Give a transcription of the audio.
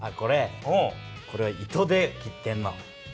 これは糸で切ってんの。